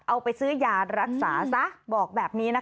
เอาไปซื้อยารักษาซะบอกแบบนี้นะคะ